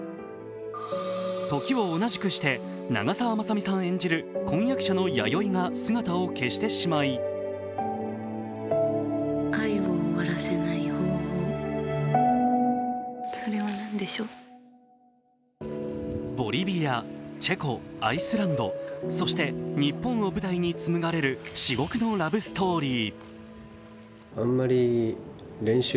時を同じくして、長澤まさみさん演じる婚約者の弥生が姿を消してしまいボリビア、チェコ、アイスランドそして日本を舞台に紡がれる至極のラブストーリー。